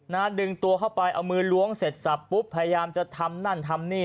ดึงตัวเข้าไปเอามือล้วงเสร็จสับปุ๊บพยายามจะทำนั่นทำนี่